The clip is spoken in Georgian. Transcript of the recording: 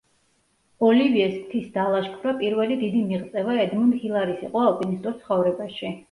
ოლივიეს მთის დალაშქვრა პირველი დიდი მიღწევა ედმუნდ ჰილარის იყო ალპინისტურ ცხოვრებაში.